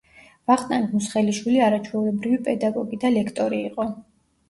ვახტანგ მუსხელიშვილი არაჩვეულებრივი პედაგოგი და ლექტორი იყო.